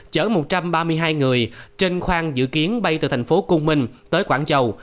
chở một trăm ba mươi hai người trên khoang dự kiến bay từ thành phố cung minh tới quảng châu